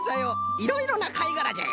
いろいろなかいがらじゃよ。